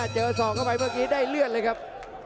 ศอกเข้าไปเมื่อกี้ได้เลือดเลยครับ